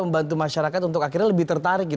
membantu masyarakat untuk akhirnya lebih tertarik